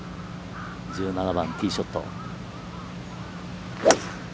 １７番、ティーショット。